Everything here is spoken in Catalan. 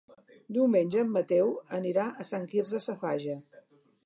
Diumenge en Mateu anirà a Sant Quirze Safaja.